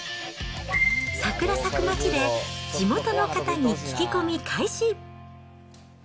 桜咲く街で、地元の方に聞き込み開始。